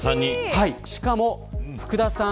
しかも、福田さん